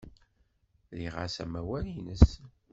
Rriɣ-as amawal-nnes.